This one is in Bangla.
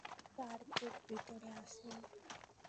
টার্গেট ভিতরে আছে।